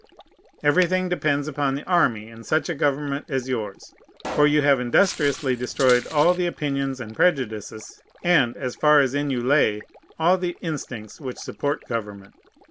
Everything depends upon the army in such a government as yours; for you have industriously destroyed all the opinions and prejudices, and, as far as in you lay, all the instincts which support government.